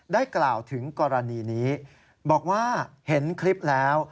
ได้กล่าวถึงกรณีนี้บอกว่าเห็นคลิปแล้ว